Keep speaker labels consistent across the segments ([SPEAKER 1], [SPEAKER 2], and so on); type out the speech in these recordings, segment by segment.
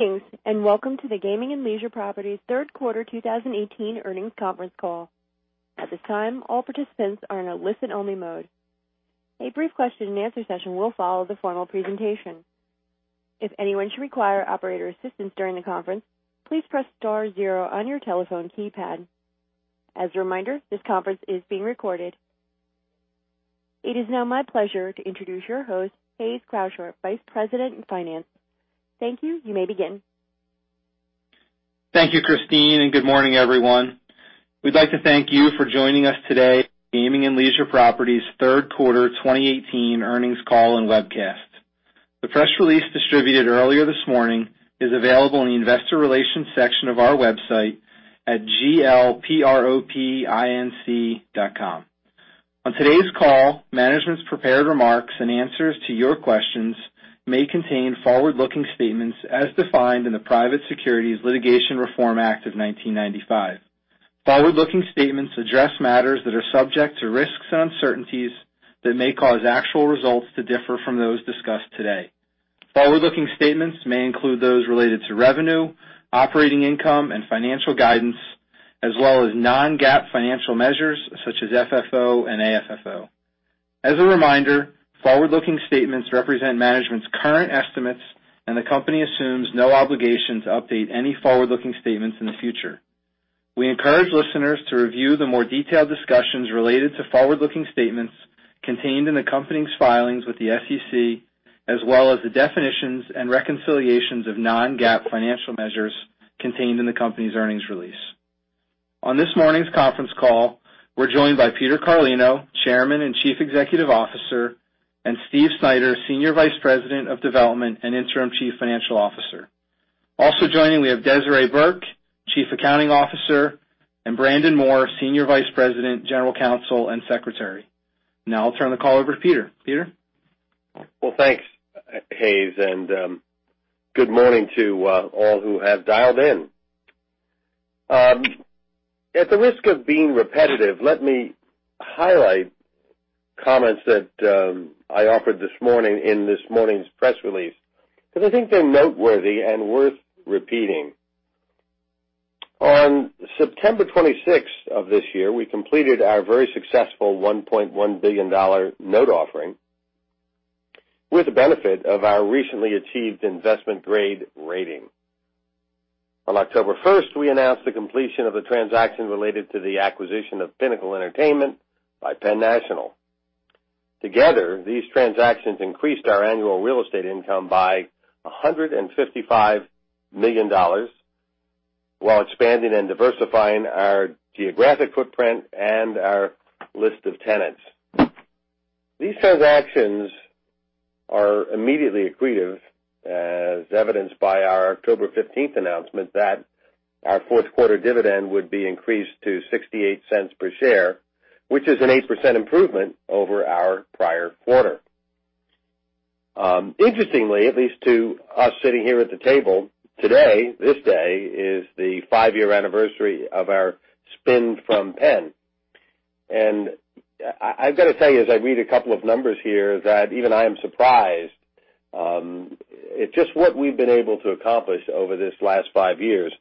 [SPEAKER 1] Thanks, and welcome to the Gaming and Leisure Properties third quarter 2018 earnings conference call. At this time, all participants are in a listen-only mode. A brief question-and-answer session will follow the formal presentation. If anyone should require operator assistance during the conference, please press star zero on your telephone keypad. As a reminder, this conference is being recorded. It is now my pleasure to introduce your host, Hayes Croucher, Vice President in Finance. Thank you. You may begin.
[SPEAKER 2] Thank you, Christine, and good morning, everyone. We'd like to thank you for joining us today for Gaming and Leisure Properties third quarter 2018 earnings call and webcast. The press release distributed earlier this morning is available in the investor relations section of our website at glpropinc.com. On today's call, management's prepared remarks and answers to your questions may contain forward-looking statements as defined in the Private Securities Litigation Reform Act of 1995. Forward-looking statements address matters that are subject to risks and uncertainties that may cause actual results to differ from those discussed today. Forward-looking statements may include those related to revenue, operating income, and financial guidance, as well as non-GAAP financial measures such as FFO and AFFO. As a reminder, forward-looking statements represent management's current estimates, and the company assumes no obligation to update any forward-looking statements in the future. We encourage listeners to review the more detailed discussions related to forward-looking statements contained in the company's filings with the SEC, as well as the definitions and reconciliations of non-GAAP financial measures contained in the company's earnings release. On this morning's conference call, we're joined by Peter Carlino, Chairman and Chief Executive Officer, and Steve Snyder, Senior Vice President of Development and Interim Chief Financial Officer. Also joining, we have Desiree Burke, Chief Accounting Officer, and Brandon Moore, Senior Vice President, General Counsel, and Secretary. I'll turn the call over to Peter. Peter?
[SPEAKER 3] Thanks, Hayes, and good morning to all who have dialed in. At the risk of being repetitive, let me highlight comments that I offered this morning in this morning's press release because I think they're noteworthy and worth repeating. On September 26th of this year, we completed our very successful $1.1 billion note offering with the benefit of our recently achieved investment-grade rating. On October 1st, we announced the completion of the transaction related to the acquisition of Pinnacle Entertainment by Penn National. Together, these transactions increased our annual real estate income by $155 million while expanding and diversifying our geographic footprint and our list of tenants. These transactions are immediately accretive, as evidenced by our October 15th announcement that our fourth-quarter dividend would be increased to $0.68 per share, which is an 8% improvement over our prior quarter. Interestingly, at least to us sitting here at the table today, this day is the five-year anniversary of our spin from Penn. I've got to tell you, as I read a couple of numbers here, that even I am surprised at just what we've been able to accomplish over these last five years.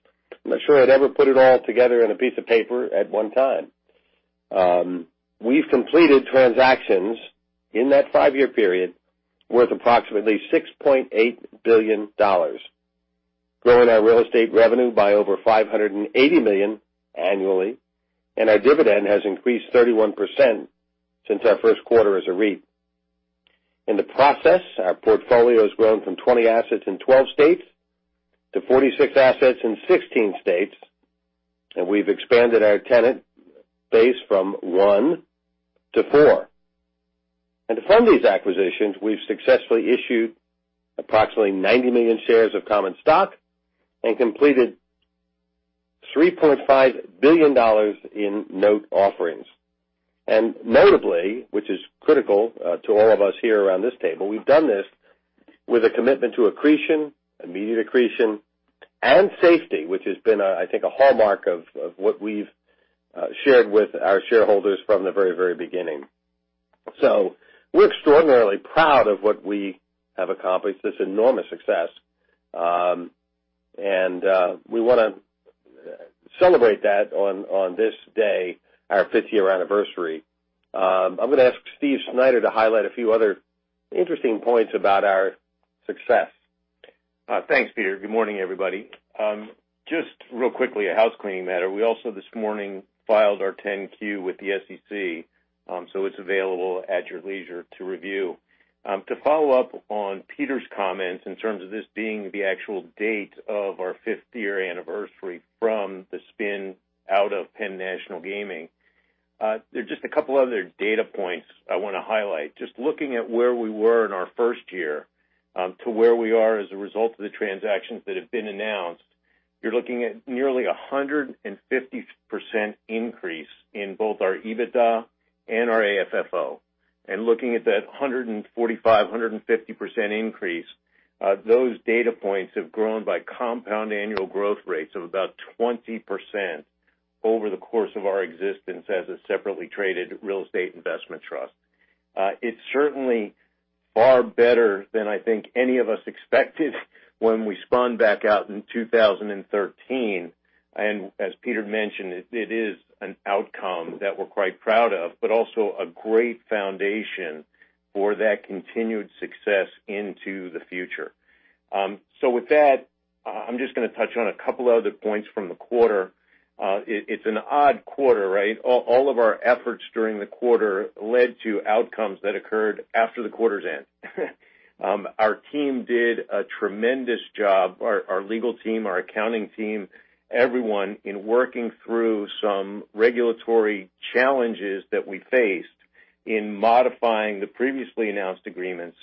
[SPEAKER 3] I'm not sure I'd ever put it all together on a piece of paper at one time. We've completed transactions in that five-year period worth approximately $6.8 billion, growing our real estate revenue by over $580 million annually, and our dividend has increased 31% since our first quarter as a REIT. In the process, our portfolio has grown from 20 assets in 12 states to 46 assets in 16 states, and we've expanded our tenant base from one to four. To fund these acquisitions, we've successfully issued approximately 90 million shares of common stock and completed $3.5 billion in note offerings. Notably, which is critical to all of us here around this table, we've done this with a commitment to accretion, immediate accretion, and safety, which has been, I think, a hallmark of what we've shared with our shareholders from the very, very beginning. We're extraordinarily proud of what we have accomplished, this enormous success, and we want to celebrate that on this day, our fifth-year anniversary. I'm going to ask Steve Snyder to highlight a few other interesting points about our success.
[SPEAKER 4] Thanks, Peter. Good morning, everybody. Just real quickly, a housecleaning matter. We also this morning filed our 10-Q with the SEC, so it's available at your leisure to review. To follow up on Peter's comments in terms of this being the actual date of our fifth-year anniversary from the spin out of Penn National Gaming, there are just a couple other data points I want to highlight. Just looking at where we were in our first year to where we are as a result of the transactions that have been announced, you're looking at nearly 150% increase in both our EBITDA and our AFFO. Looking at that 145%-150% increase, those data points have grown by compound annual growth rates of about 20%. Over the course of our existence as a separately traded real estate investment trust. It's certainly far better than I think any of us expected when we spun back out in 2013. As Peter mentioned, it is an outcome that we're quite proud of, but also a great foundation for that continued success into the future. With that, I'm just going to touch on a couple other points from the quarter. It's an odd quarter, right? All of our efforts during the quarter led to outcomes that occurred after the quarter's end. Our team did a tremendous job, our legal team, our accounting team, everyone, in working through some regulatory challenges that we faced in modifying the previously announced agreements,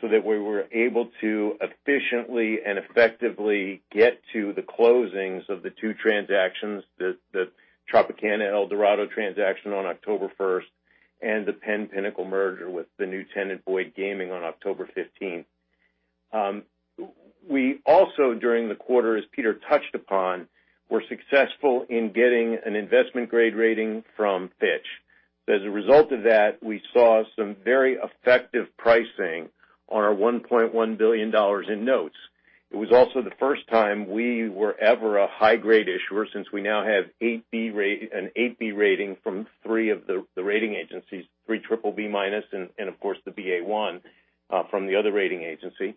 [SPEAKER 4] so that we were able to efficiently and effectively get to the closings of the two transactions, the Tropicana Eldorado transaction on October 1st, and the Penn Pinnacle merger with the new tenant, Boyd Gaming, on October 15th. We also, during the quarter, as Peter touched upon, were successful in getting an investment-grade rating from Fitch. As a result of that, we saw some very effective pricing on our $1.1 billion in notes. It was also the first time we were ever a high-grade issuer since we now have a BB rating from three of the rating agencies, three BBB-, and of course the Ba1 from the other rating agency.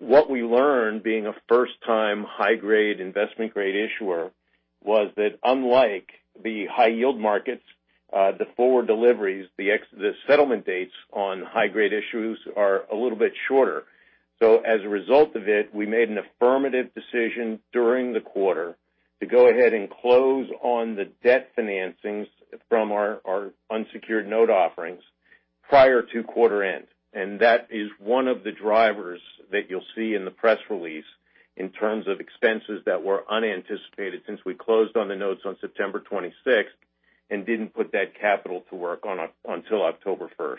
[SPEAKER 4] What we learned, being a first-time high-grade, investment-grade issuer, was that unlike the high-yield markets, the forward deliveries, the settlement dates on high-grade issues are a little bit shorter. As a result of it, we made an affirmative decision during the quarter to go ahead and close on the debt financings from our unsecured note offerings prior to quarter end. That is one of the drivers that you'll see in the press release in terms of expenses that were unanticipated since we closed on the notes on September 26th and didn't put that capital to work until October 1st.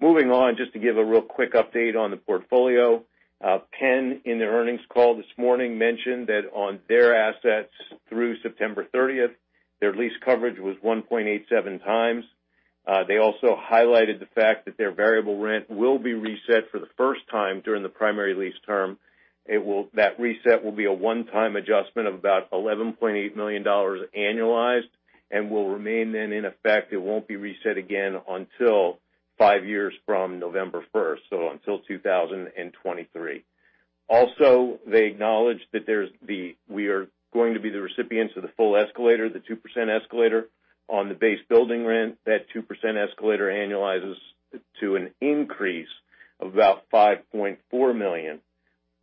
[SPEAKER 4] Moving on, just to give a real quick update on the portfolio. Penn, in their earnings call this morning, mentioned that on their assets through September 30th, their lease coverage was 1.87 times. They also highlighted the fact that their variable rent will be reset for the first time during the primary lease term. That reset will be a one-time adjustment of about $11.8 million annualized and will remain then in effect, it won't be reset again until 5 years from November 1st, so until 2023. Also, they acknowledge that we are going to be the recipients of the full escalator, the 2% escalator on the base building rent. That 2% escalator annualizes to an increase of about $5.4 million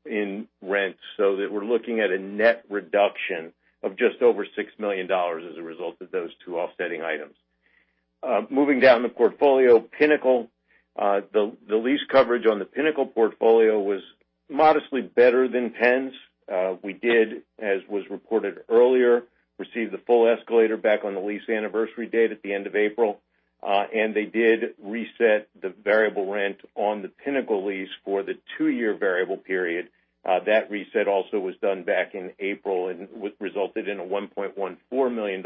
[SPEAKER 4] in rent, so that we're looking at a net reduction of just over $6 million as a result of those two offsetting items. Moving down the portfolio, Pinnacle. The lease coverage on the Pinnacle portfolio was modestly better than Penn's. We did, as was reported earlier, receive the full escalator back on the lease anniversary date at the end of April. They did reset the variable rent on the Pinnacle lease for the 2-year variable period. That reset also was done back in April and resulted in a $1.14 million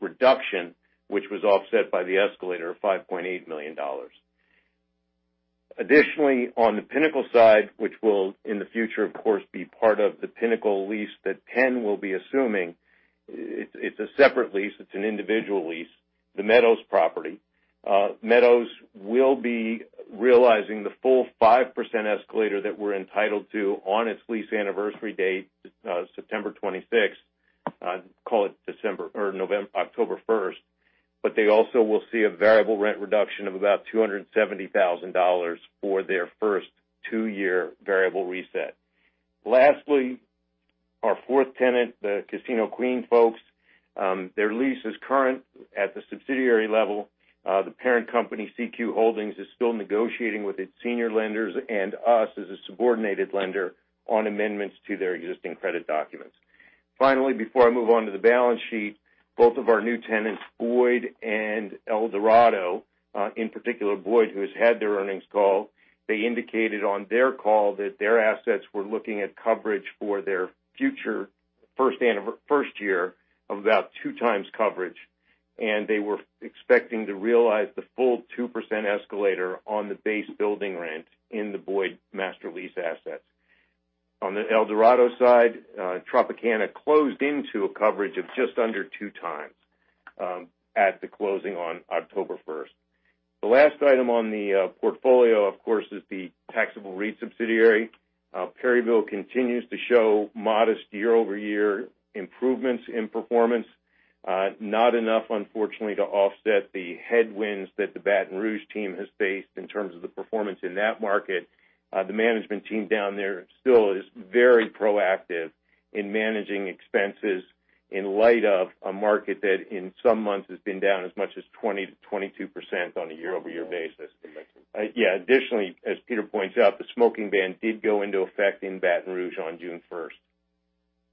[SPEAKER 4] reduction, which was offset by the escalator of $5.8 million. Additionally, on the Pinnacle side, which will, in the future, of course, be part of the Pinnacle lease that Penn will be assuming. It's a separate lease. It's an individual lease. The Meadows property. Meadows will be realizing the full 5% escalator that we're entitled to on its lease anniversary date, September 26th, call it October 1st, but they also will see a variable rent reduction of about $270,000 for their first 2-year variable reset. Lastly, our fourth tenant, the Casino Queen folks, their lease is current at the subsidiary level. The parent company, CQ Holdings, is still negotiating with its senior lenders and us as a subordinated lender on amendments to their existing credit documents. Finally, before I move on to the balance sheet, both of our new tenants, Boyd and Eldorado, in particular Boyd, who has had their earnings call, they indicated on their call that their assets were looking at coverage for their future first year of about two times coverage, and they were expecting to realize the full 2% escalator on the base building rent in the Boyd master lease assets. On the Eldorado side, Tropicana closed into a coverage of just under two times at the closing on October 1st. The last item on the portfolio, of course, is the taxable REIT subsidiary. Perryville continues to show modest year-over-year improvements in performance. Not enough, unfortunately, to offset the headwinds that the Baton Rouge team has faced in terms of the performance in that market. The management team down there still is very proactive in managing expenses in light of a market that in some months has been down as much as 20%-22% on a year-over-year basis.
[SPEAKER 5] Smoking ban.
[SPEAKER 4] Yeah. Additionally, as Peter points out, the smoking ban did go into effect in Baton Rouge on June 1st.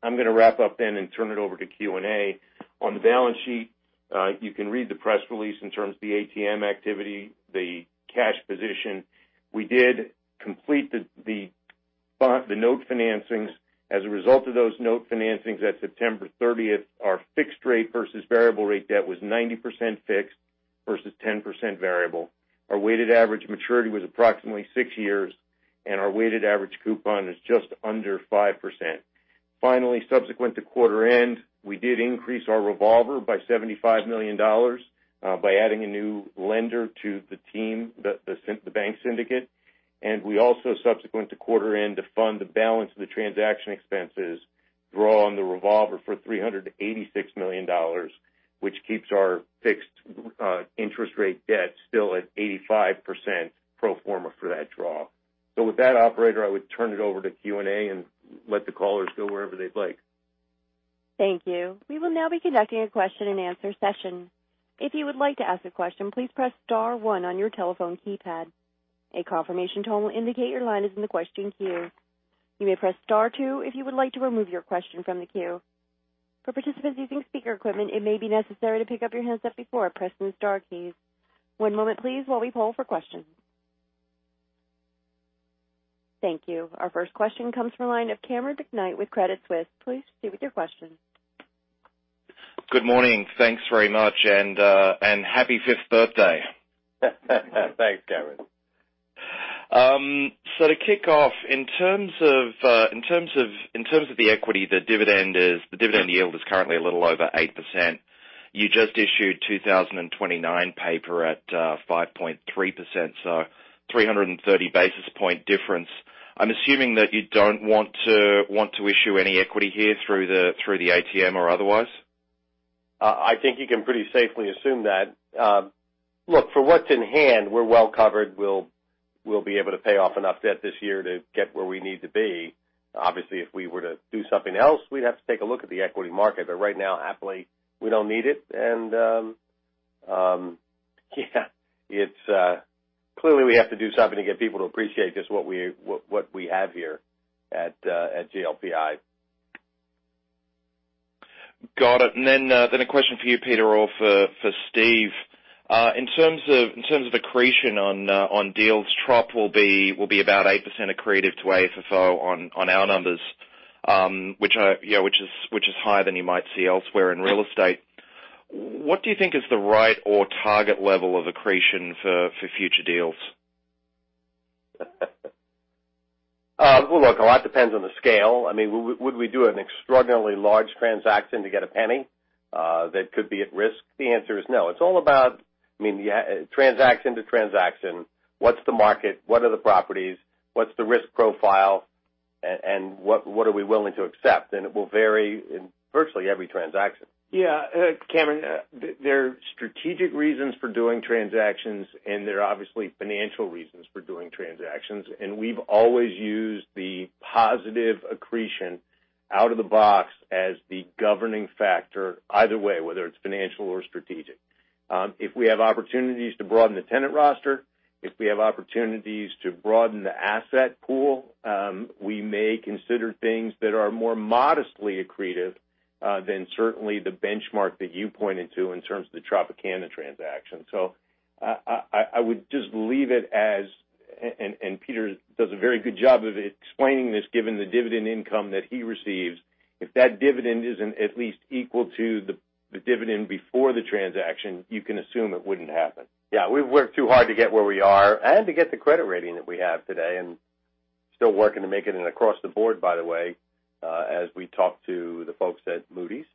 [SPEAKER 4] I'm going to wrap up then and turn it over to Q&A. On the balance sheet, you can read the press release in terms of the ATM activity, the cash position. We did complete the note financings. As a result of those note financings at September 30th, our fixed-rate versus variable-rate debt was 90% fixed versus 10% variable. Our weighted average maturity was approximately six years, and our weighted average coupon is just under 5%. Finally, subsequent to quarter end, we did increase our revolver by $75 million by adding a new lender to the team, the bank syndicate. We also, subsequent to quarter end, to fund the balance of the transaction expenses, draw on the revolver for $386 million, which keeps our fixed interest rate debt still at 85% pro forma for that draw. With that, operator, I would turn it over to Q&A and let the callers go wherever they'd like.
[SPEAKER 1] Thank you. We will now be conducting a question and answer session. If you would like to ask a question, please press star one on your telephone keypad. A confirmation tone will indicate your line is in the question queue. You may press star two if you would like to remove your question from the queue. For participants using speaker equipment, it may be necessary to pick up your handset before pressing the star keys. One moment please, while we poll for questions. Thank you. Our first question comes from the line of Cameron McKnight with Credit Suisse. Please proceed with your question.
[SPEAKER 6] Good morning. Thanks very much. Happy fifth birthday.
[SPEAKER 3] Thanks, Cameron.
[SPEAKER 6] To kick off, in terms of the equity, the dividend yield is currently a little over 8%. You just issued 2029 paper at 5.3%, 330 basis point difference. I'm assuming that you don't want to issue any equity here through the ATM or otherwise. I think you can pretty safely assume that. Look, for what's in hand, we're well covered. We'll be able to pay off enough debt this year to get where we need to be. Obviously, if we were to do something else, we'd have to take a look at the equity market. Right now, happily, we don't need it. Yeah, clearly we have to do something to get people to appreciate just what we have here at GLPI. Got it. A question for you, Peter, or for Steve. In terms of accretion on deals, Trop will be about 8% accretive to AFFO on our numbers, which is higher than you might see elsewhere in real estate. What do you think is the right or target level of accretion for future deals?
[SPEAKER 3] Well, look, a lot depends on the scale. Would we do an extraordinarily large transaction to get a penny that could be at risk? The answer is no. It's all about transaction to transaction. What's the market? What are the properties? What's the risk profile? What are we willing to accept? It will vary in virtually every transaction.
[SPEAKER 4] Yeah. Cameron, there are strategic reasons for doing transactions, there are obviously financial reasons for doing transactions, we've always used the positive accretion out of the box as the governing factor either way, whether it's financial or strategic. If we have opportunities to broaden the tenant roster, if we have opportunities to broaden the asset pool, we may consider things that are more modestly accretive than certainly the benchmark that you pointed to in terms of the Tropicana transaction. I would just leave it as Peter does a very good job of explaining this, given the dividend income that he receives. If that dividend isn't at least equal to the dividend before the transaction, you can assume it wouldn't happen.
[SPEAKER 3] Yeah. We've worked too hard to get where we are and to get the credit rating that we have today. Still working to make it an across the board, by the way, as we talk to the folks at Moody's.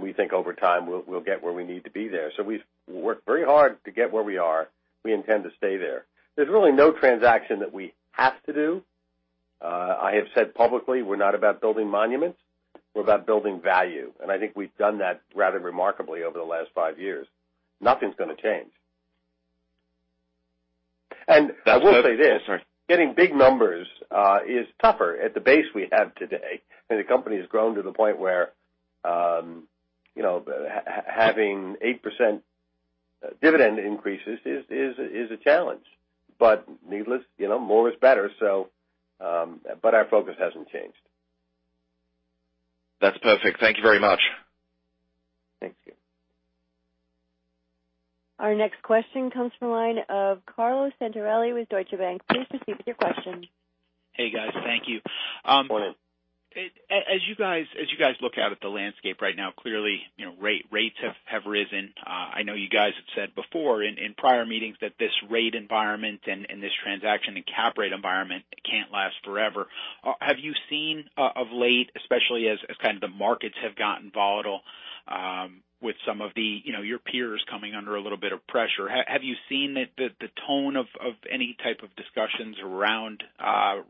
[SPEAKER 3] We think over time, we'll get where we need to be there. We've worked very hard to get where we are. We intend to stay there. There's really no transaction that we have to do. I have said publicly, we're not about building monuments. We're about building value. I think we've done that rather remarkably over the last five years. Nothing's going to change. I will say this- Sorry. Getting big numbers is tougher at the base we have today, and the company has grown to the point where having 8% dividend increases is a challenge. Needless, more is better. Our focus hasn't changed.
[SPEAKER 6] That's perfect. Thank you very much.
[SPEAKER 3] Thanks.
[SPEAKER 1] Our next question comes from the line of Carlo Santarelli with Deutsche Bank. Please proceed with your question.
[SPEAKER 7] Hey, guys. Thank you.
[SPEAKER 3] Morning.
[SPEAKER 7] As you guys look out at the landscape right now, clearly, rates have risen. I know you guys have said before in prior meetings that this rate environment and this transaction and cap rate environment can't last forever. Have you seen of late, especially as the markets have gotten volatile, with some of your peers coming under a little bit of pressure, have you seen the tone of any type of discussions around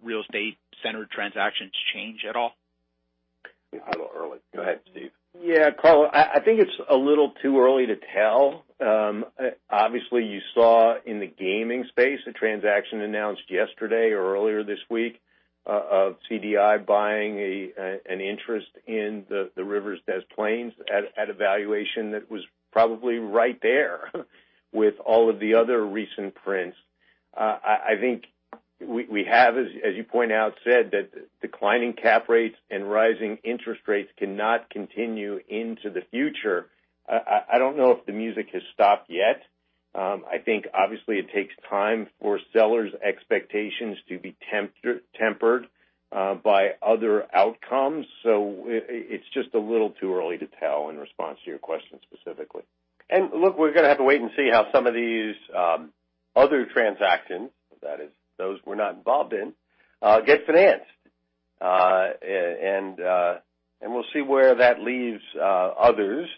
[SPEAKER 7] real estate-centered transactions change at all?
[SPEAKER 4] A little early. Go ahead, Steve. Yeah, Carlo. I think it's a little too early to tell. Obviously, you saw in the gaming space a transaction announced yesterday or earlier this week of CDI buying an interest in the Rivers Des Plaines at a valuation that was probably right there with all of the other recent prints. I think we have, as you point out, said that declining cap rates and rising interest rates cannot continue into the future. I don't know if the music has stopped yet. I think obviously it takes time for sellers' expectations to be tempered by other outcomes. It's just a little too early to tell in response to your question specifically.
[SPEAKER 3] Look, we're going to have to wait and see how some of these other transactions, that is, those we're not involved in, get financed. We'll see where that leaves others,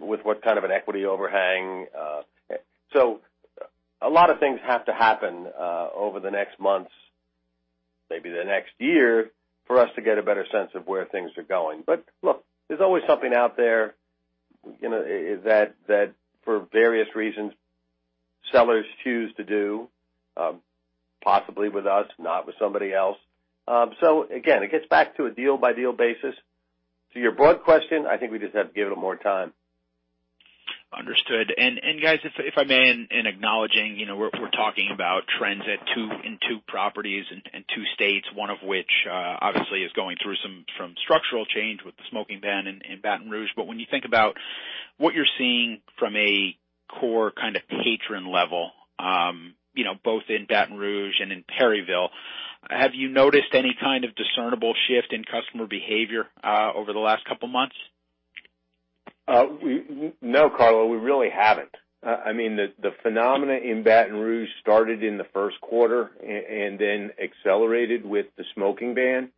[SPEAKER 3] with what kind of an equity overhang. A lot of things have to happen over the next months, maybe the next year, for us to get a better sense of where things are going. Look, there's always something out there that for various reasons, sellers choose to do, possibly with us, not with somebody else. Again, it gets back to a deal-by-deal basis. To your broad question, I think we just have to give it a little more time.
[SPEAKER 7] Understood. Guys, if I may, in acknowledging, we're talking about trends in two properties and two states, one of which obviously is going through some structural change with the smoking ban in Baton Rouge. When you think about what you're seeing from a core kind of patron level, both in Baton Rouge and in Perryville, have you noticed any kind of discernible shift in customer behavior over the last couple of months?
[SPEAKER 4] No, Carlo, we really haven't. I mean, the phenomena in Baton Rouge started in the first quarter and then accelerated with the smoking ban.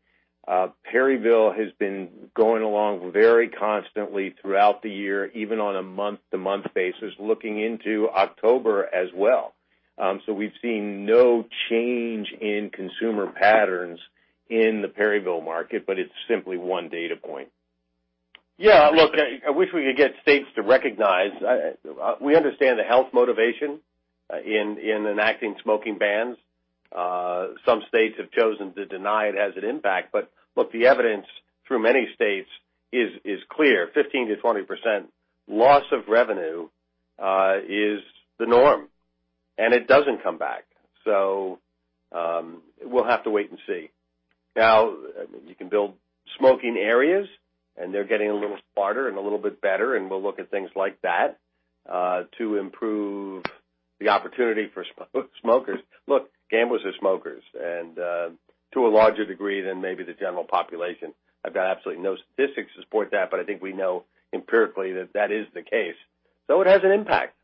[SPEAKER 4] Perryville has been going along very constantly throughout the year, even on a month-over-month basis, looking into October as well. We've seen no change in consumer patterns in the Perryville market, but it's simply one data point.
[SPEAKER 3] Yeah, look, I wish we could get states to recognize, we understand the health motivation in enacting smoking bans. Some states have chosen to deny it has an impact. Look, the evidence through many states is clear. 15%-20% loss of revenue is the norm, and it doesn't come back. We'll have to wait and see. Now, you can build smoking areas, and they're getting a little smarter and a little bit better, and we'll look at things like that, to improve the opportunity for smokers. Look, gamblers are smokers and to a larger degree than maybe the general population. I've got absolutely no statistics to support that, but I think we know empirically that that is the case. It has an impact.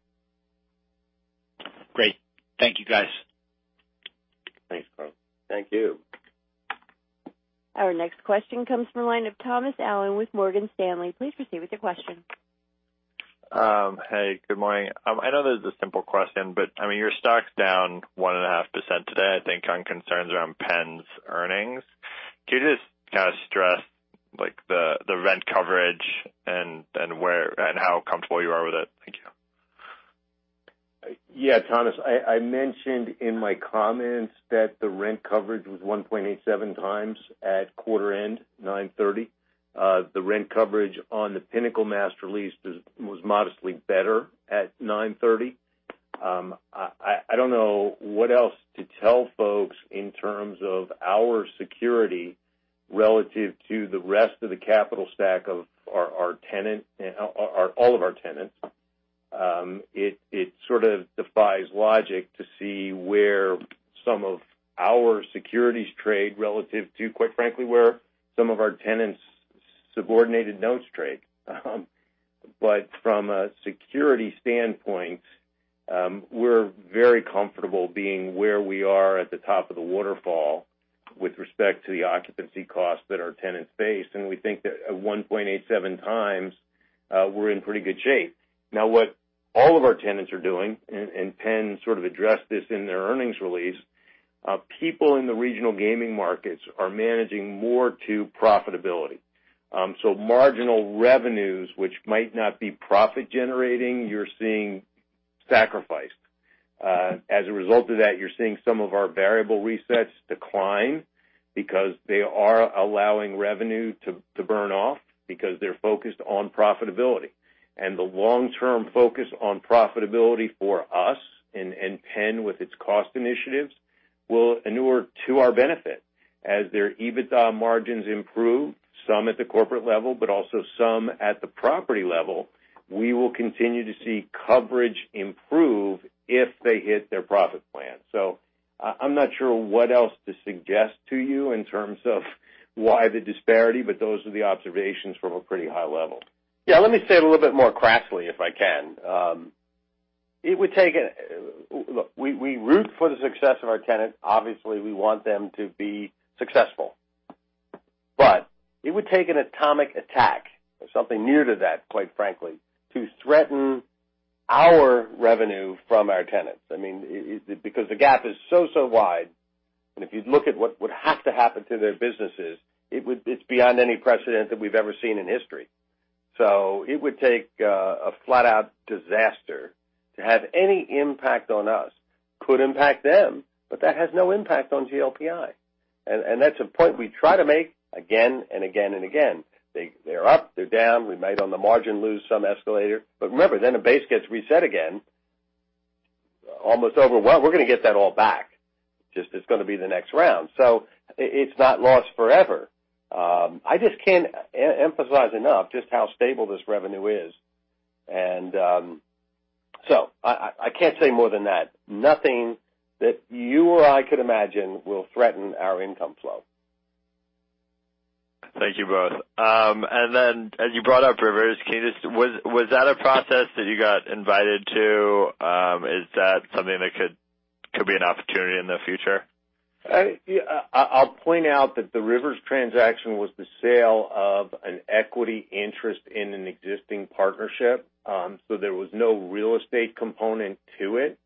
[SPEAKER 7] Great. Thank you, guys.
[SPEAKER 4] Thanks, Carlo.
[SPEAKER 3] Thank you.
[SPEAKER 1] Our next question comes from the line of Thomas Allen with Morgan Stanley. Please proceed with your question.
[SPEAKER 8] Hey, good morning. I know this is a simple question, but I mean, your stock's down 1.5% today, I think, on concerns around Penn's earnings. Can you just kind of stress the rent coverage and how comfortable you are with it? Thank you.
[SPEAKER 4] Thomas, I mentioned in my comments that the rent coverage was 1.87 times at quarter end 9/30. The rent coverage on the Pinnacle master lease was modestly better at 9/30. I don't know what else to tell folks in terms of our security relative to the rest of the capital stack of all of our tenants. It sort of defies logic to see where some of our securities trade relative to, quite frankly, where some of our tenants' subordinated notes trade. From a security standpoint, we're very comfortable being where we are at the top of the waterfall with respect to the occupancy costs that our tenants face. We think that at 1.87 times, we're in pretty good shape. What all of our tenants are doing, Penn sort of addressed this in their earnings release, people in the regional gaming markets are managing more to profitability. Marginal revenues, which might not be profit-generating, you're seeing sacrificed. As a result of that, you're seeing some of our variable resets decline because they are allowing revenue to burn off because they're focused on profitability. The long-term focus on profitability for us and Penn with its cost initiatives will inure to our benefit. As their EBITDA margins improve, some at the corporate level, but also some at the property level, we will continue to see coverage improve if they hit their profit plan. I'm not sure what else to suggest to you in terms of why the disparity, but those are the observations from a pretty high level.
[SPEAKER 3] Let me say it a little bit more crassly, if I can. Look, we root for the success of our tenants. Obviously, we want them to be successful. It would take an atomic attack or something near to that, quite frankly, to threaten our revenue from our tenants. The gap is so wide, if you look at what would have to happen to their businesses, it's beyond any precedent that we've ever seen in history. It would take a flat-out disaster to have any impact on us. Could impact them, but that has no impact on GLPI.
[SPEAKER 4] That's a point we try to make again and again and again. They're up, they're down. We might, on the margin, lose some escalator. Remember, a base gets reset again, almost over. We're going to get that all back. Just it's going to be the next round. It's not lost forever. I just can't emphasize enough just how stable this revenue is. I can't say more than that. Nothing that you or I could imagine will threaten our income flow.
[SPEAKER 8] Thank you both. As you brought up Rivers, was that a process that you got invited to? Is that something that could be an opportunity in the future?
[SPEAKER 4] I'll point out that the Rivers transaction was the sale of an equity interest in an existing partnership. There was no real estate component to it.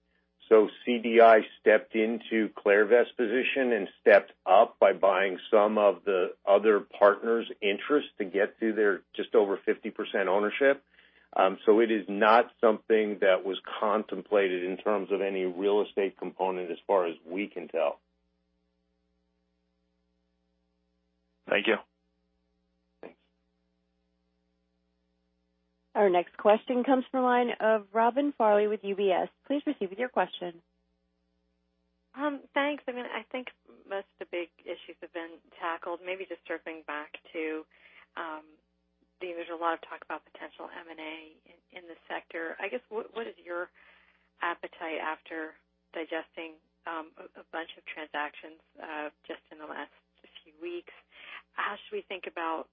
[SPEAKER 4] CDI stepped into Clairvest's position and stepped up by buying some of the other partners' interest to get to their just over 50% ownership. It is not something that was contemplated in terms of any real estate component, as far as we can tell.
[SPEAKER 8] Thank you.
[SPEAKER 4] Thanks.
[SPEAKER 1] Our next question comes from the line of Robin Farley with UBS. Please proceed with your question.
[SPEAKER 9] Thanks. I think most of the big issues have been tackled, maybe just circling back to, there's a lot of talk about potential M&A in this sector. I guess, what is your appetite after digesting a bunch of transactions just in the last few weeks? How should we think about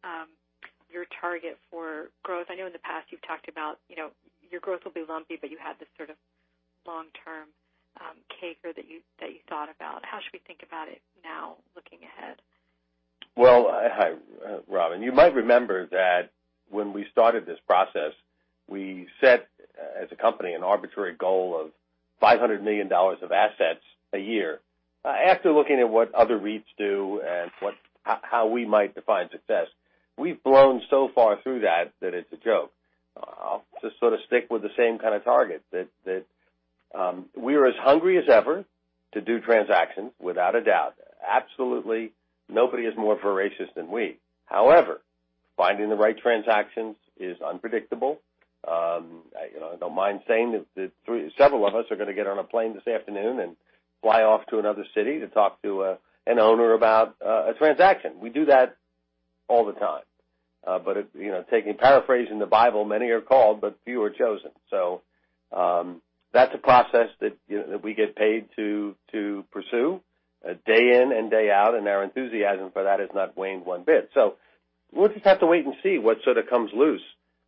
[SPEAKER 9] your target for growth? I know in the past you've talked about your growth will be lumpy, but you had this sort of long-term CAGR that you thought about. How should we think about it now looking ahead?
[SPEAKER 3] Well, hi, Robin. You might remember that when we started this process, we set, as a company, an arbitrary goal of $500 million of assets a year. After looking at what other REITs do and how we might define success, we've blown so far through that it's a joke. I'll just sort of stick with the same kind of target. That we are as hungry as ever to do transactions, without a doubt. Absolutely nobody is more voracious than we. However, finding the right transactions is unpredictable. I don't mind saying that several of us are going to get on a plane this afternoon and fly off to another city to talk to an owner about a transaction. We do that all the time. Paraphrasing the Bible, many are called, but few are chosen.
[SPEAKER 4] That's a process that we get paid to pursue day in and day out, and our enthusiasm for that has not waned one bit. We'll just have to wait and see what sort of comes loose.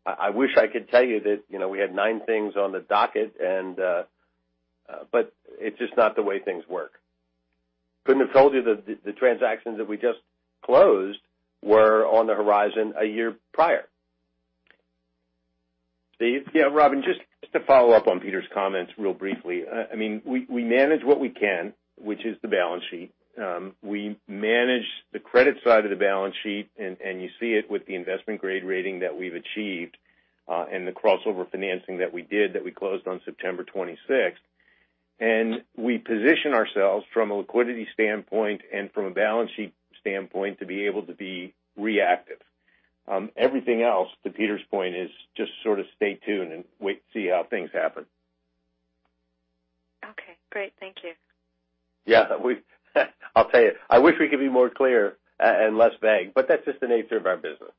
[SPEAKER 4] I wish I could tell you that we had nine things on the docket, but it's just not the way things work. Couldn't have told you that the transactions that we just closed were on the horizon a year prior. Steve? Yeah, Robin, just to follow up on Peter's comments real briefly. We manage what we can, which is the balance sheet. We manage the credit side of the balance sheet, and you see it with the investment-grade rating that we've achieved, and the crossover financing that we did, that we closed on September 26th. We position ourselves from a liquidity standpoint and from a balance sheet standpoint to be able to be reactive. Everything else, to Peter's point, is just sort of stay tuned and wait to see how things happen.
[SPEAKER 9] Okay, great. Thank you.
[SPEAKER 4] Yeah. I'll tell you, I wish we could be more clear and less vague, but that's just the nature of our business.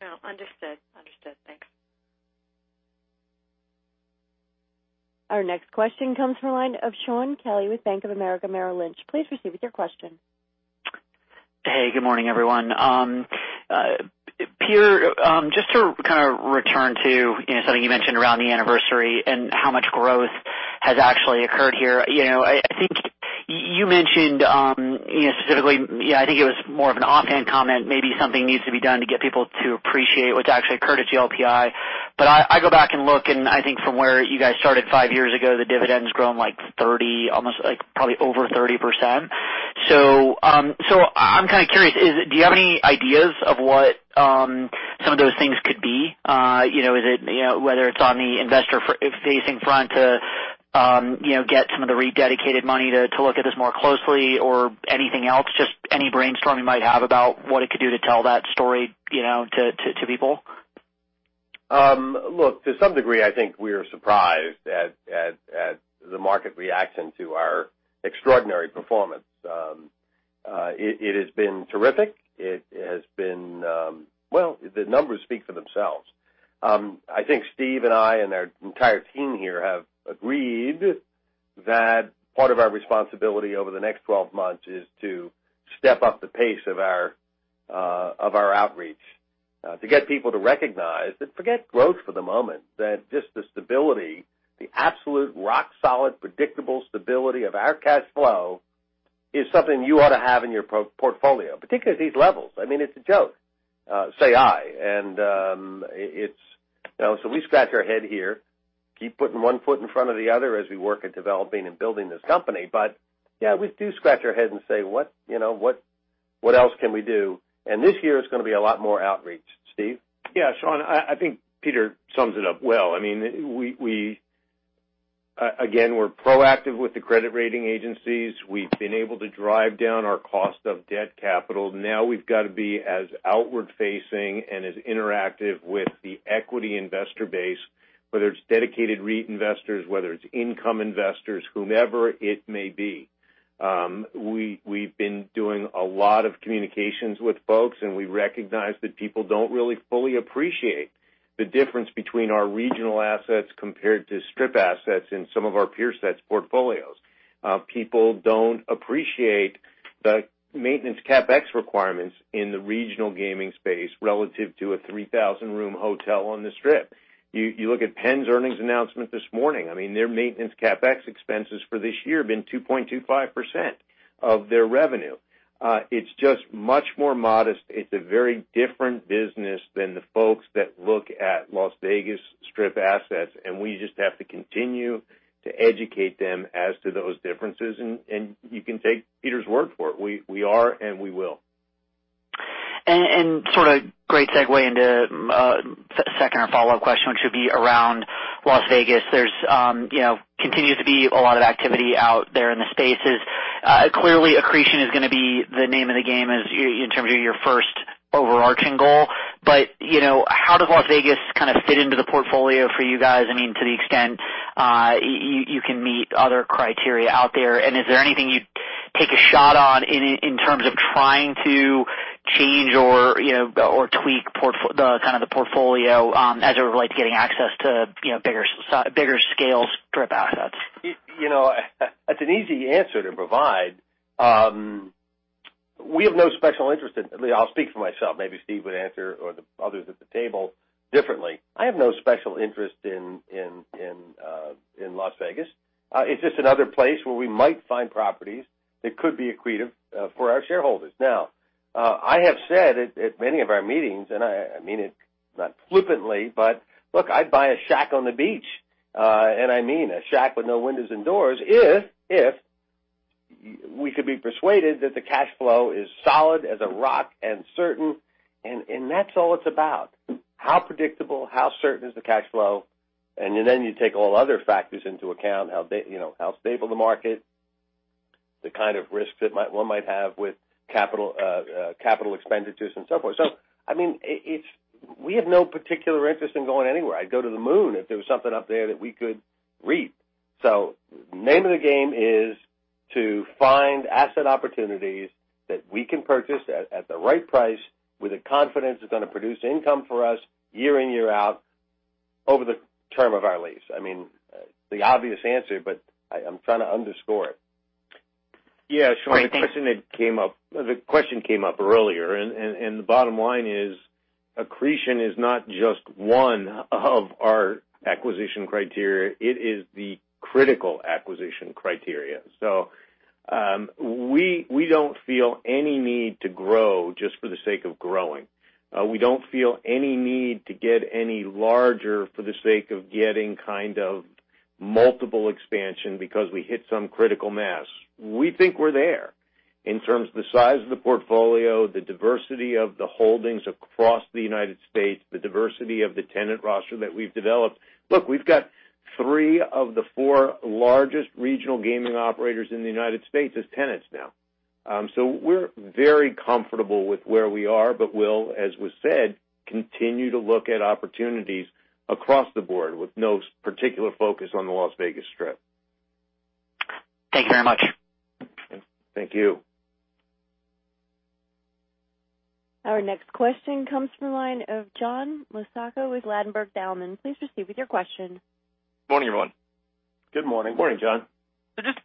[SPEAKER 9] No, understood. Thanks.
[SPEAKER 1] Our next question comes from the line of Shaun Kelley with Bank of America Merrill Lynch. Please proceed with your question.
[SPEAKER 10] Hey, good morning, everyone. Peter, just to kind of return to something you mentioned around the anniversary and how much growth has actually occurred here. I think you mentioned specifically, I think it was more of an offhand comment, maybe something needs to be done to get people to appreciate what's actually occurred at GLPI. I go back and look, and I think from where you guys started five years ago, the dividend's grown like 30, almost like probably over 30%. I'm kind of curious, do you have any ideas of what some of those things could be? Whether it's on the investor-facing front to get some of the rededicated money to look at this more closely or anything else, just any brainstorming you might have about what it could do to tell that story to people?
[SPEAKER 3] Look, to some degree, I think we are surprised at the market reaction to our extraordinary performance. It has been terrific. The numbers speak for themselves. I think Steven and I and our entire team here have agreed that part of our responsibility over the next 12 months is to step up the pace of our outreach to get people to recognize that, forget growth for the moment, that just the stability, the absolute rock-solid, predictable stability of our cash flow is something you ought to have in your portfolio, particularly at these levels. I mean, it's a joke, say I. We scratch our head here, keep putting one foot in front of the other as we work at developing and building this company. Yeah, we do scratch our heads and say, what else can we do? This year is going to be a lot more outreach.
[SPEAKER 4] Steve? Yeah, Shaun, I think Peter sums it up well. I mean, we Again, we're proactive with the credit rating agencies. We've been able to drive down our cost of debt capital. Now we've got to be as outward-facing and as interactive with the equity investor base, whether it's dedicated REIT investors, whether it's income investors, whomever it may be. We've been doing a lot of communications with folks, and we recognize that people don't really fully appreciate the difference between our regional assets compared to Strip assets in some of our peer set's portfolios. People don't appreciate the maintenance CapEx requirements in the regional gaming space relative to a 3,000-room hotel on the Strip. You look at Penn's earnings announcement this morning. Their maintenance CapEx expenses for this year have been 2.25% of their revenue. It's just much more modest. It's a very different business than the folks that look at Las Vegas Strip assets, and we just have to continue to educate them as to those differences. You can take Peter's word for it. We are, and we will.
[SPEAKER 10] Sort of great segue into a second or follow-up question, which would be around Las Vegas. There continues to be a lot of activity out there in the spaces. Clearly, accretion is going to be the name of the game in terms of your first overarching goal. How does Las Vegas kind of fit into the portfolio for you guys, to the extent you can meet other criteria out there? Is there anything you'd take a shot on in terms of trying to change or tweak the portfolio as it relates to getting access to bigger scale Strip assets?
[SPEAKER 3] It's an easy answer to provide. We have no special interest I'll speak for myself. Maybe Steve would answer, or the others at the table differently. I have no special interest in Las Vegas. It's just another place where we might find properties that could be accretive for our shareholders. I have said at many of our meetings, and I mean it not flippantly, but look, I'd buy a shack on the beach, and I mean a shack with no windows and doors, if we could be persuaded that the cash flow is solid as a rock and certain, and that's all it's about. How predictable, how certain is the cash flow? Then you take all other factors into account, how stable the market, the kind of risks that one might have with capital expenditures and so forth. We have no particular interest in going anywhere. I'd go to the moon if there was something up there that we could reap. Name of the game is to find asset opportunities that we can purchase at the right price with a confidence it's going to produce income for us year in, year out over the term of our lease. The obvious answer, but I'm trying to underscore it.
[SPEAKER 10] Yeah, sure.
[SPEAKER 3] The question came up earlier. The bottom line is accretion is not just one of our acquisition criteria. It is the critical acquisition criteria. We don't feel any need to grow just for the sake of growing. We don't feel any need to get any larger for the sake of getting kind of multiple expansion because we hit some critical mass. We think we're there in terms of the size of the portfolio, the diversity of the holdings across the United States, the diversity of the tenant roster that we've developed. Look, we've got three of the four largest regional gaming operators in the United States as tenants now. We're very comfortable with where we are, but we'll, as was said, continue to look at opportunities across the board with no particular focus on the Las Vegas Strip.
[SPEAKER 10] Thank you very much.
[SPEAKER 4] Thank you.
[SPEAKER 1] Our next question comes from the line of John Massocca with Ladenburg Thalmann. Please proceed with your question.
[SPEAKER 11] Morning, everyone.
[SPEAKER 3] Good morning.
[SPEAKER 4] Morning, John.
[SPEAKER 11] Just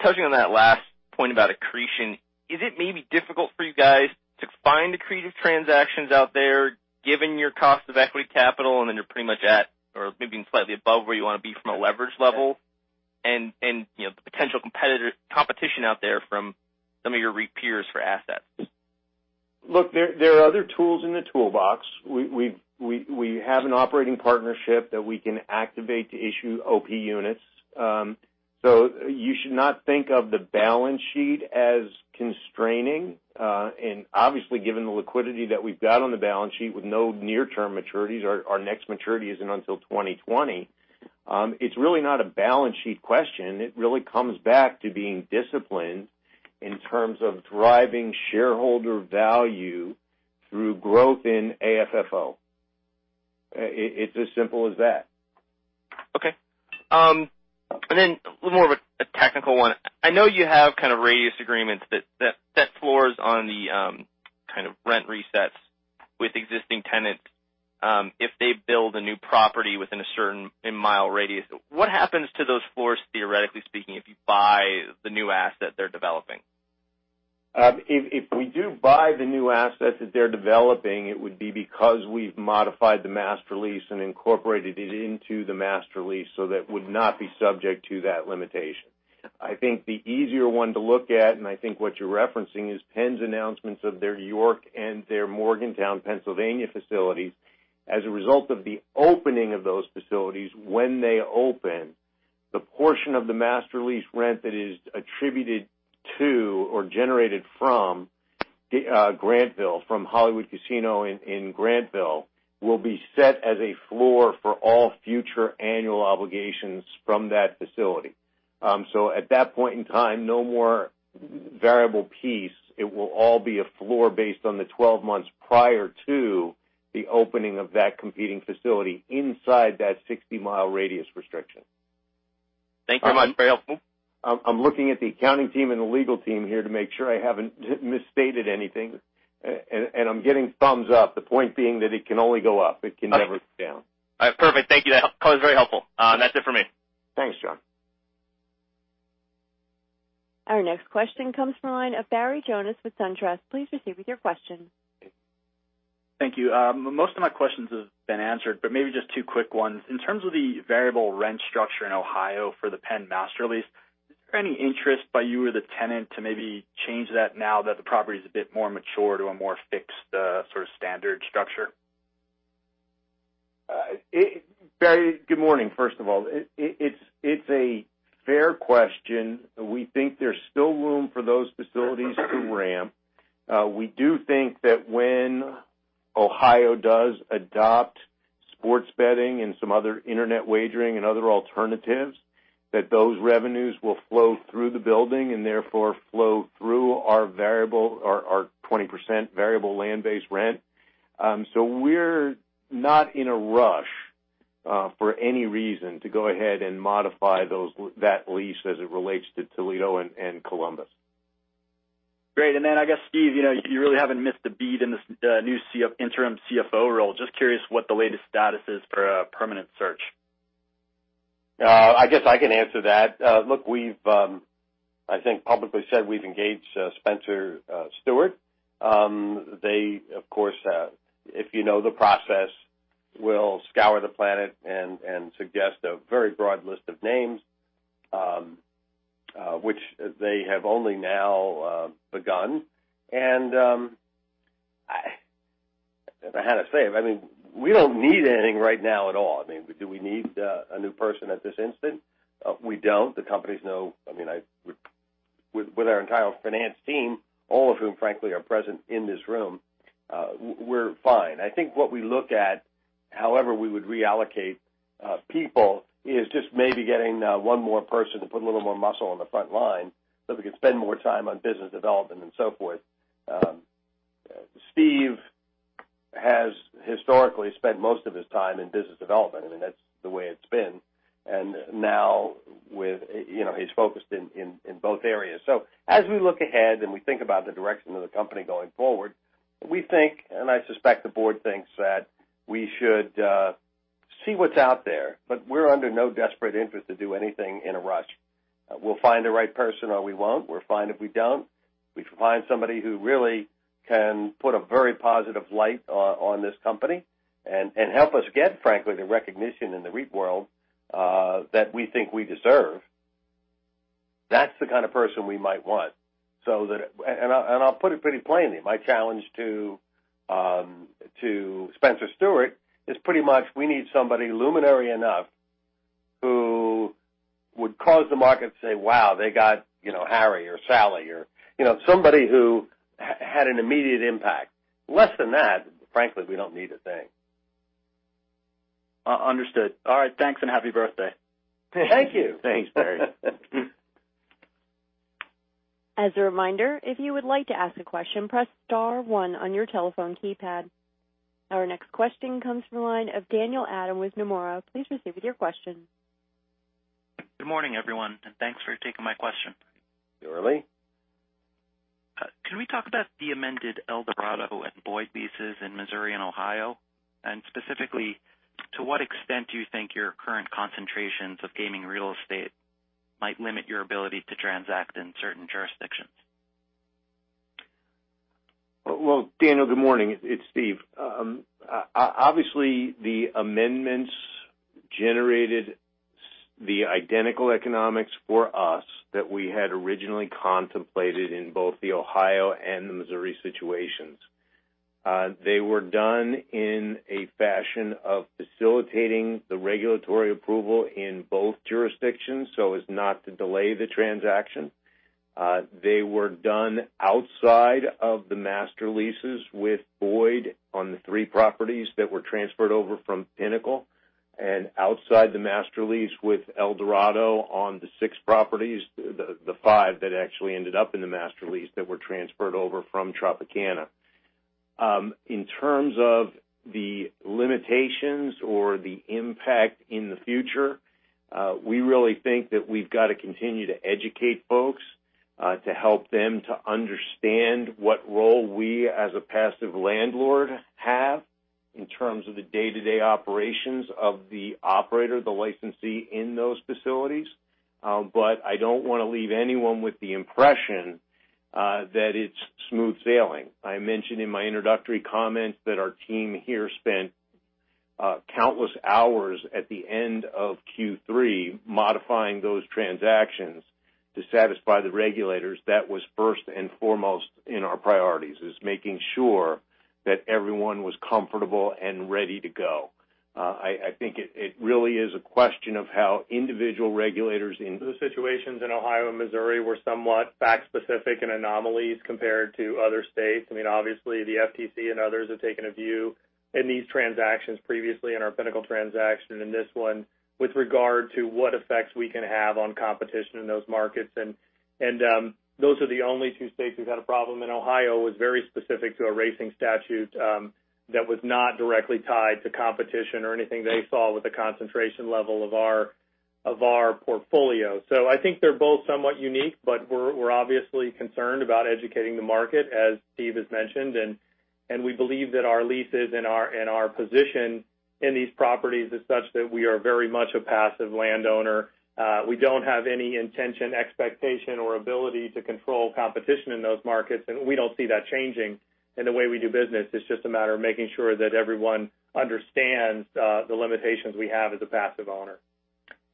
[SPEAKER 11] touching on that last point about accretion, is it maybe difficult for you guys to find accretive transactions out there given your cost of equity capital, and then you're pretty much at or maybe slightly above where you want to be from a leverage level, and the potential competition out there from some of your REIT peers for assets?
[SPEAKER 4] Look, there are other tools in the toolbox. We have an operating partnership that we can activate to issue OP Units. You should not think of the balance sheet as constraining. Obviously, given the liquidity that we've got on the balance sheet with no near-term maturities, our next maturity isn't until 2020, it's really not a balance sheet question. It really comes back to being disciplined in terms of driving shareholder value through growth in AFFO. It's as simple as that.
[SPEAKER 11] Okay. Then a little more of a technical one. I know you have kind of radius agreements that set floors on the kind of rent resets with existing tenants if they build a new property within a certain mile radius. What happens to those floors, theoretically speaking, if you buy the new asset they're developing?
[SPEAKER 4] If we do buy the new asset that they're developing, it would be because we've modified the master lease and incorporated it into the master lease, that would not be subject to that limitation. I think the easier one to look at, and I think what you're referencing, is Penn's announcements of their York and their Morgantown, Pennsylvania facilities. As a result of the opening of those facilities, when they open, the portion of the master lease rent that is attributed to or generated from Grantville from Hollywood Casino in Grantville will be set as a floor for all future annual obligations from that facility. At that point in time, no more variable piece, it will all be a floor based on the 12 months prior to the opening of that competing facility inside that 60-mile radius restriction.
[SPEAKER 11] Thank you very much. Very helpful.
[SPEAKER 4] I'm looking at the accounting team and the legal team here to make sure I haven't misstated anything, and I'm getting thumbs up. The point being that it can only go up, it can never go down.
[SPEAKER 11] All right, perfect. Thank you. That was very helpful. That's it for me.
[SPEAKER 4] Thanks, John.
[SPEAKER 1] Our next question comes from the line of Barry Jonas with SunTrust. Please proceed with your question.
[SPEAKER 12] Thank you. Most of my questions have been answered. Maybe just two quick ones. In terms of the variable rent structure in Ohio for the Penn master lease, is there any interest by you or the tenant to maybe change that now that the property is a bit more mature to a more fixed sort of standard structure?
[SPEAKER 4] Barry, good morning, first of all. It's a fair question. We think there's still room for those facilities to ramp. We do think that when Ohio does adopt sports betting and some other internet wagering and other alternatives, that those revenues will flow through the building and therefore flow through our 20% variable land-based rent. We're not in a rush for any reason to go ahead and modify that lease as it relates to Toledo and Columbus.
[SPEAKER 12] Great. I guess, Steve, you really haven't missed a beat in the new interim CFO role. Just curious what the latest status is for a permanent search.
[SPEAKER 3] I guess I can answer that. Look, we've, I think, publicly said we've engaged Spencer Stuart. They, of course, if you know the process, will scour the planet and suggest a very broad list of names, which they have only now begun. If I had a say, we don't need anything right now at all. Do we need a new person at this instant? We don't. With our entire finance team, all of whom, frankly, are present in this room, we're fine. I think what we look at, however we would reallocate people, is just maybe getting one more person to put a little more muscle on the front line so we can spend more time on business development and so forth. Steve has historically spent most of his time in business development. That's the way it's been. Now he's focused in both areas. As we look ahead and we think about the direction of the company going forward, we think, and I suspect the board thinks that we should see what's out there, we're under no desperate interest to do anything in a rush. We'll find the right person or we won't. We're fine if we don't. We find somebody who really can put a very positive light on this company and help us get, frankly, the recognition in the REIT world that we think we deserve. That's the kind of person we might want. I'll put it pretty plainly. My challenge to Spencer Stuart is pretty much we need somebody luminary enough who would cause the market to say, "Wow, they got Harry or Sally," or somebody who had an immediate impact. Less than that, frankly, we don't need a thing.
[SPEAKER 12] Understood. All right. Thanks and happy birthday.
[SPEAKER 4] Thank you. Thanks, Barry.
[SPEAKER 1] As a reminder, if you would like to ask a question, press star one on your telephone keypad. Our next question comes from the line of Daniel Adam with Nomura. Please proceed with your question.
[SPEAKER 13] Good morning, everyone, thanks for taking my question.
[SPEAKER 3] You're early.
[SPEAKER 13] Can we talk about the amended Eldorado and Boyd leases in Missouri and Ohio? Specifically, to what extent do you think your current concentrations of gaming real estate might limit your ability to transact in certain jurisdictions?
[SPEAKER 4] Well, Daniel, good morning. It's Steve. Obviously, the amendments generated the identical economics for us that we had originally contemplated in both the Ohio and the Missouri situations. They were done in a fashion of facilitating the regulatory approval in both jurisdictions so as not to delay the transaction. They were done outside of the master leases with Boyd on the three properties that were transferred over from Pinnacle and outside the master lease with Eldorado Resorts on the six properties, the five that actually ended up in the master lease that were transferred over from Tropicana. In terms of the limitations or the impact in the future, we really think that we've got to continue to educate folks to help them to understand what role we, as a passive landlord, have in terms of the day-to-day operations of the operator, the licensee in those facilities. I don't want to leave anyone with the impression that it's smooth sailing. I mentioned in my introductory comments that our team here spent countless hours at the end of Q3 modifying those transactions to satisfy the regulators. That was first and foremost in our priorities, is making sure that everyone was comfortable and ready to go. I think it really is a question of how individual regulators in.
[SPEAKER 14] The situations in Ohio and Missouri were somewhat fact-specific and anomalies compared to other states. Obviously, the FTC and others have taken a view in these transactions previously, in our Pinnacle transaction and this one, with regard to what effects we can have on competition in those markets. Those are the only two states we've had a problem in. Ohio was very specific to a racing statute that was not directly tied to competition or anything they saw with the concentration level of our portfolio. I think they're both somewhat unique, but we're obviously concerned about educating the market, as Steve has mentioned, and we believe that our leases and our position in these properties is such that we are very much a passive landowner. We don't have any intention, expectation, or ability to control competition in those markets, and we don't see that changing in the way we do business. It's just a matter of making sure that everyone understands the limitations we have as a passive owner.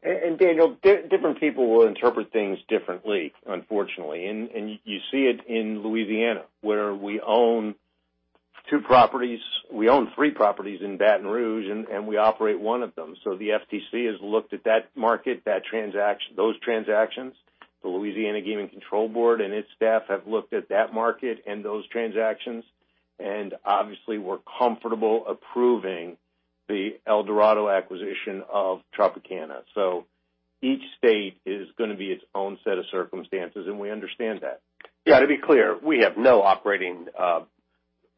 [SPEAKER 3] Daniel, different people will interpret things differently, unfortunately. You see it in Louisiana, where we own two properties. We own three properties in Baton Rouge, and we operate one of them. The FTC has looked at that market, those transactions. The Louisiana Gaming Control Board and its staff have looked at that market and those transactions, and obviously we're comfortable approving the Eldorado acquisition of Tropicana. Each state is going to be its own set of circumstances, and we understand that. Yeah.
[SPEAKER 4] To be clear, we have no operating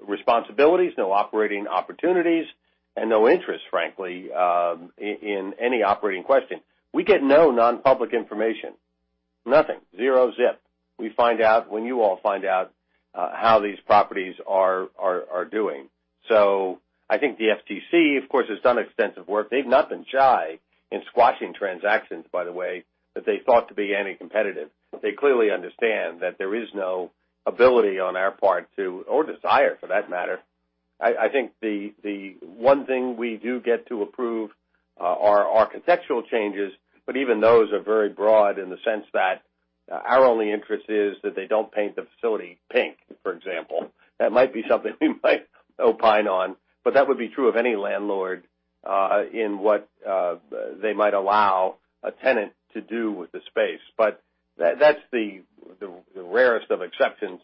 [SPEAKER 4] responsibilities, no operating opportunities, and no interest, frankly, in any operating question. We get no non-public information. Nothing. Zero, zip. We find out when you all find out how these properties are doing. I think the FTC, of course, has done extensive work. They've not been shy in squashing transactions, by the way, that they thought to be anti-competitive. They clearly understand that there is no ability on our part to or desire, for that matter. I think the one thing we do get to approve are architectural changes, but even those are very broad in the sense that our only interest is that they don't paint the facility pink, for example. That might be something we might opine on, but that would be true of any landlord, in what they might allow a tenant to do with the space. That's the rarest of exceptions.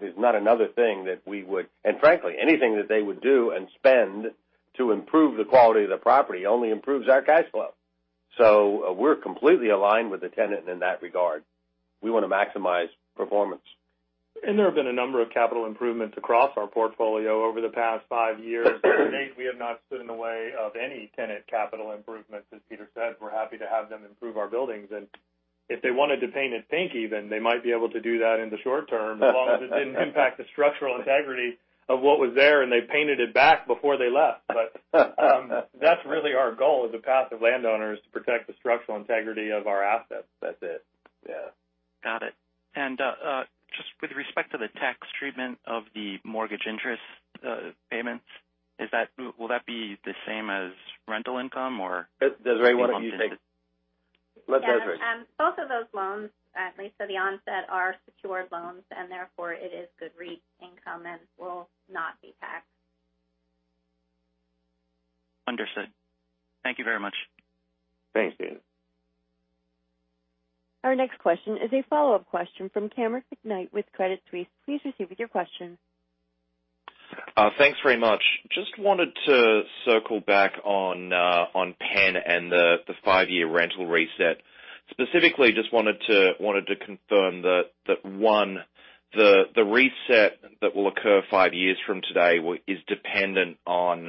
[SPEAKER 4] There's not another thing that we would, and frankly, anything that they would do and spend to improve the quality of the property only improves our cash flow. We're completely aligned with the tenant in that regard. We want to maximize performance.
[SPEAKER 14] There have been a number of capital improvements across our portfolio over the past five years. To date, we have not stood in the way of any tenant capital improvements. As Peter said, we're happy to have them improve our buildings. If they wanted to paint it pink even, they might be able to do that in the short term as long as it didn't impact the structural integrity of what was there and they painted it back before they left. That's really our goal as a passive landowner, is to protect the structural integrity of our assets. That's it.
[SPEAKER 3] Yeah.
[SPEAKER 13] Got it. Just with respect to the tax treatment of the mortgage interest payments, will that be the same as rental income?
[SPEAKER 3] Desiree, let Des take it.
[SPEAKER 5] Yeah. Both of those loans, at least at the onset, are secured loans, and therefore it is good REIT income and will not be taxed.
[SPEAKER 13] Understood. Thank you very much.
[SPEAKER 4] Thanks, Dan.
[SPEAKER 1] Our next question is a follow-up question from Cameron McKnight with Credit Suisse. Please proceed with your question.
[SPEAKER 6] Thanks very much. Just wanted to circle back on Penn and the five-year rental reset. Specifically, just wanted to confirm that, one, the reset that will occur five years from today is dependent on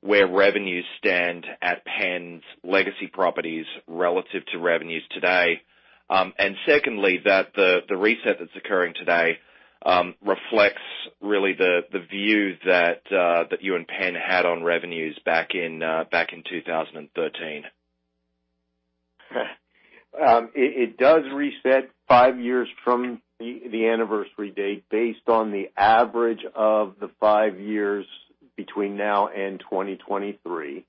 [SPEAKER 6] where revenues stand at Penn's legacy properties relative to revenues today. Secondly, that the reset that's occurring today reflects really the view that you and Penn had on revenues back in 2013.
[SPEAKER 4] It does reset five years from the anniversary date based on the average of the five years between now and 2023.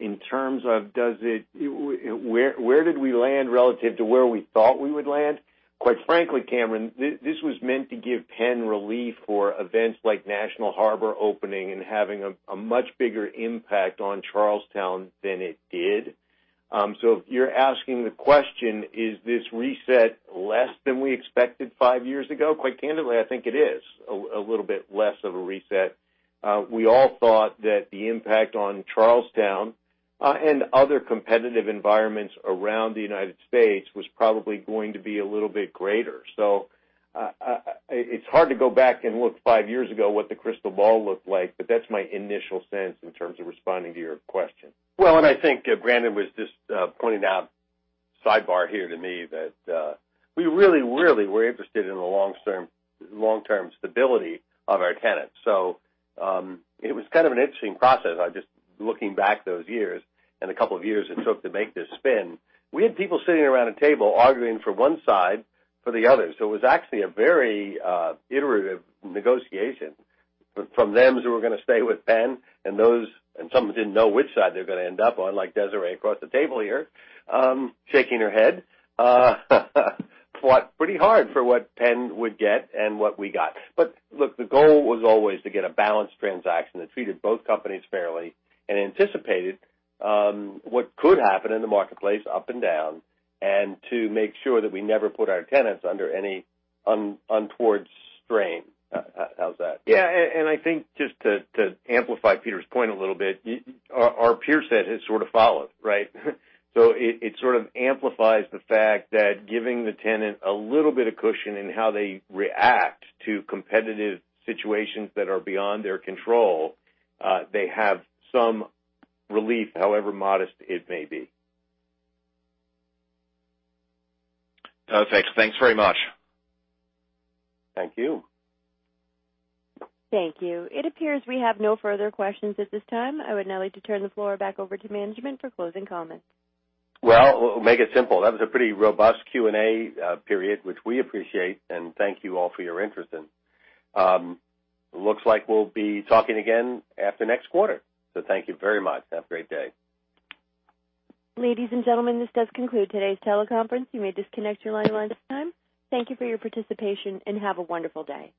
[SPEAKER 4] In terms of where did we land relative to where we thought we would land, quite frankly, Cameron, this was meant to give Penn relief for events like National Harbor opening and having a much bigger impact on Charles Town than it did. If you're asking the question, is this reset less than we expected five years ago? Quite candidly, I think it is a little bit less of a reset. We all thought that the impact on Charles Town, and other competitive environments around the United States, was probably going to be a little bit greater. It's hard to go back and look five years ago what the crystal ball looked like, but that's my initial sense in terms of responding to your question.
[SPEAKER 3] I think Brandon was just pointing out, sidebar here to me, that we really were interested in the long-term stability of our tenants. It was kind of an interesting process. Looking back those years and a couple of years it took to make this spin. We had people sitting around a table arguing for one side, for the other. It was actually a very iterative negotiation from them as we were going to stay with Penn and those-- and some didn't know which side they were going to end up on, like Desiree across the table here, shaking her head. Fought pretty hard for what Penn would get and what we got.
[SPEAKER 14] Look, the goal was always to get a balanced transaction that treated both companies fairly and anticipated what could happen in the marketplace up and down, and to make sure that we never put our tenants under any untoward strain. How's that?
[SPEAKER 4] I think just to amplify Peter's point a little bit, our peer set has sort of followed, right? It sort of amplifies the fact that giving the tenant a little bit of cushion in how they react to competitive situations that are beyond their control, they have some relief, however modest it may be.
[SPEAKER 6] Perfect. Thanks very much.
[SPEAKER 4] Thank you.
[SPEAKER 1] Thank you. It appears we have no further questions at this time. I would now like to turn the floor back over to management for closing comments.
[SPEAKER 4] Well, we'll make it simple. That was a pretty robust Q&A period, which we appreciate, and thank you all for your interest in. Looks like we'll be talking again after next quarter. Thank you very much. Have a great day.
[SPEAKER 1] Ladies and gentlemen, this does conclude today's teleconference. You may disconnect your line at this time. Thank you for your participation, and have a wonderful day.